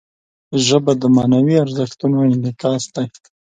ژبه د معنوي ارزښتونو انعکاس دی